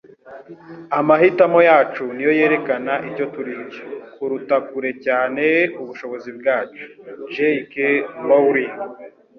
Amahitamo yacu niyo yerekana icyo turi cyo, kuruta kure cyane ubushobozi bwacu.” —J. K. Rowling